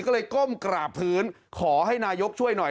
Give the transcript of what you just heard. ก็เลยก้มกราบพื้นขอให้นายกช่วยหน่อย